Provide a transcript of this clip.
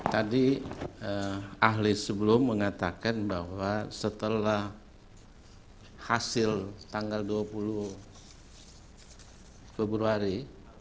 tadi ahli sebelum mengatakan bahwa setelah hasil tanggal dua puluh februari